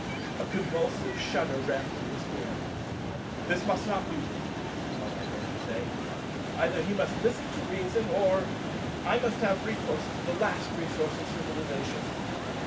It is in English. A convulsive shudder ran through the Sphere. "This must not be," I thought I heard him say: "either he must listen to reason, or I must have recourse to the last resource of civilization."